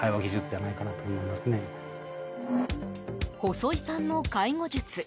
細井さんの介護術。